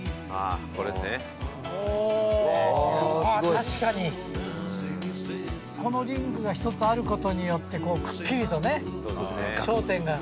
確かにこのリングが一つあることによってくっきりとね焦点が。